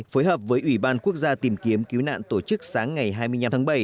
phối hợp với ủy ban quốc gia tìm kiếm cứu nạn tổ chức sáng ngày hai mươi năm tháng bảy